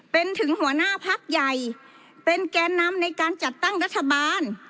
เป็นถึงหัวหน้าพักใหญ่เป็นแกนนำในการจัดตั้งรัฐบาล